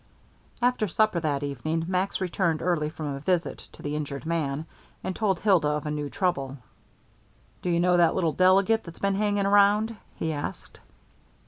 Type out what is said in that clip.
After supper that evening Max returned early from a visit to the injured man, and told Hilda of a new trouble. "Do you know that little delegate that's been hanging around?" he asked.